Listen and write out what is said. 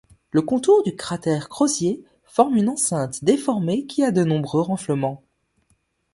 Le contour du cratère Crozier forme une enceinte déformée qui a de nombreux renflements.